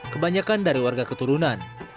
kebanyakan dari warga keturunan